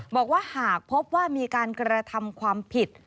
บอกว่าหากพบว่ามีการกระทำความผิด